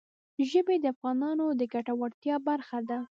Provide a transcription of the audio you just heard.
ژبې د افغانانو د ګټورتیا برخه ده.